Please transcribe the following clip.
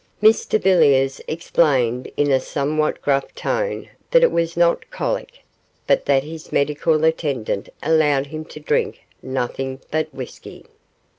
Mr Villiers explained in a somewhat gruff tone that it was not colic, but that his medical attendant allowed him to drink nothing but whisky.